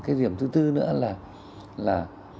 cái điểm thứ tư nữa là